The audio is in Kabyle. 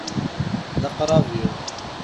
D aqrab-iw.